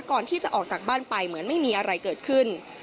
ก่อนที่จะออกจากบ้านไปเหมือนไม่มีอะไรเกิดขึ้น